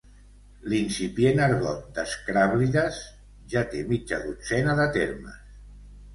L'incipient argot d'Escràblides ja té mitja dotzena de termes.